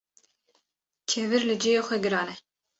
Kevir li cihê xwe giran e